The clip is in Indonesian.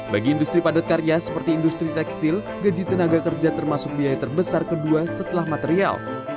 bagi industri padat karya seperti industri tekstil gaji tenaga kerja termasuk biaya terbesar kedua setelah material